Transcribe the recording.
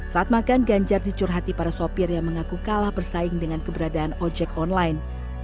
saat makan ganjar dicurhati para sopir yang mengaku kalah bersaing dengan keberadaan ojek online